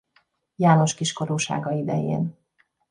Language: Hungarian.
János kiskorúsága idején.